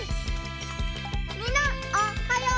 みんなおっはよう！